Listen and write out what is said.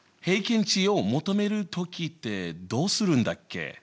平均値を求める時ってどうするんだっけ？